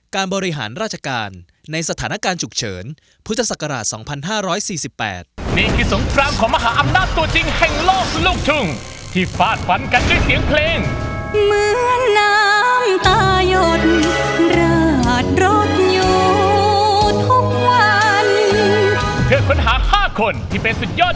การบริหารราชการในสถานการณ์ฉุกเฉินพุทธศักราช๒๕๔๘